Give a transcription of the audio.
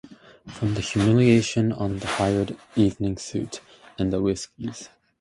From the humiliation on the hired evening suit and the whiskies